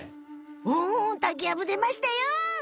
おタケやぶでましたよ。